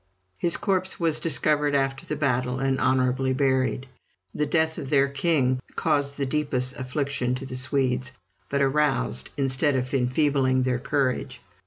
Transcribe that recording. His corpse was discovered after the battle, and honorably buried. The death of their king caused the deepest affliction to the Swedes, but aroused instead of enfeebling their courage.